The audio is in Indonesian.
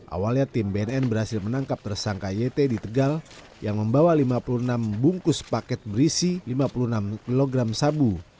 awalnya tim bnn berhasil menangkap tersangka yt di tegal yang membawa lima puluh enam bungkus paket berisi lima puluh enam kg sabu